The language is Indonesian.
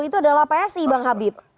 itu adalah psi bang habib